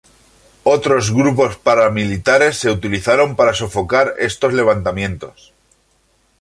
Otros grupos paramilitares se utilizaron para sofocar estos levantamientos.